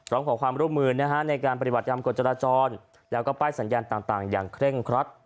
ร้องขอความร่วมมือในการปฏิบัติตามกฎจราจรแล้วก็ป้ายสัญญาณต่างอย่างเคร่งครัด